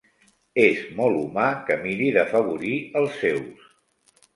És molt humà que miri d'afavorir els seus.